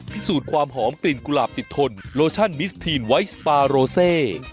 พิสูจน์ความหอมกลิ่นกุหลาบติดทนโลชั่นมิสทีนไวท์สปาโรเซ